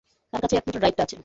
তার কাছেই একমাত্র ড্রাইভটা আছে।